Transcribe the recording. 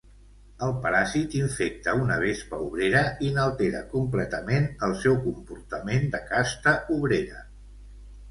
El paràsit infecta una vespa obrera i n'altera completament el seu comportament de casta obrera.